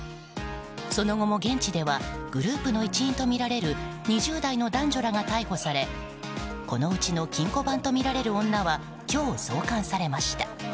その後も現地ではグループの一員とみられる２０代の男女らが逮捕されこのうちの金庫番とみられる女は今日、送還されました。